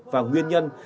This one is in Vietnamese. và nguyên nhân